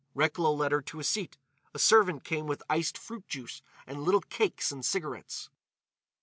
Recklow led her to a seat. A servant came with iced fruit juice and little cakes and cigarettes.